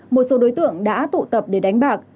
một số đối tượng đã tụ tập để đánh bạc